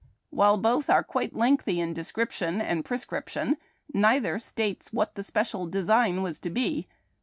While both are quite lengthy in description and prescrip tion, neither states what the special design v/as to be.